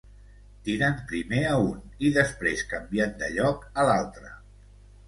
Tiren primer a un i després canviant de lloc, a l'altre.